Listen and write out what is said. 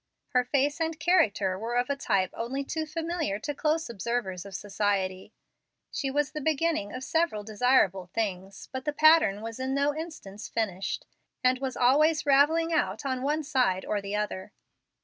Her face and character were of a type only too familiar to close observers of society. She was the beginning of several desirable things, but the pattern was in no instance finished, and was always ravelling out on one side or the other.